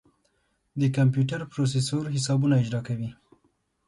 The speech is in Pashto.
د کمپیوټر پروسیسر حسابونه اجرا کوي.